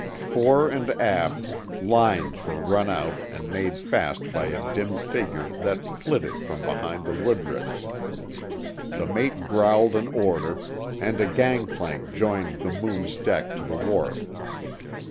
Fore and aft, lines were run out and made fast by a dim figure that flitted from behind the woodricks. The mate growled an order, and a gangplank joined the Moon's deck to the wharf.